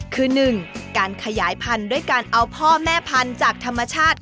คือ๑การขยายพันธุ์ด้วยการเอาพ่อแม่พันธุ์จากธรรมชาติ